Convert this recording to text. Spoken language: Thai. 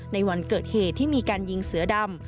ในวันเกิดเหตุที่มีการยิงเสือดำ